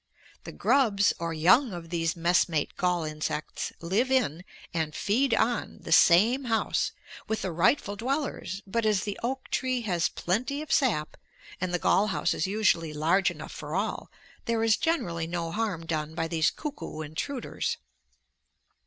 The grubs, or young of these messmate gall insects, live in, and feed on, the same house, with the rightful dwellers, but as the oak tree has plenty of sap and the gall house is usually large enough for all, there is generally no harm done by these cuckoo intruders.